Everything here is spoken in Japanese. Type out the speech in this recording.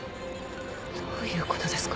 どういうことですか？